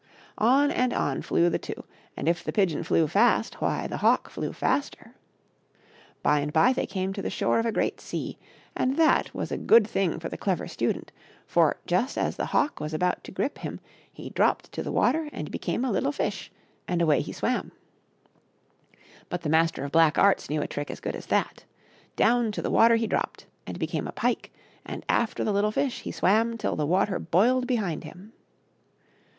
On and on flew the two, and if the pigeon flew fast, why, the hawk flew faster. By and by they came to the shore of a great sea. And that was a good 54 THE CLEVER STUDENT AND THE MASTER OP BLACK ARTS. thing for the Clever Student, for, just as the hawk was about to grip him, he dropped to the water and became a little fish, and away he swam. But the Master of Black Arts knew a trick as good as that. Down to the water he dropped and became a pike, and after the little fish he swam till the water boiled behind him.